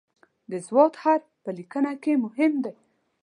د "ض" حرف په لیکنه کې مهم دی.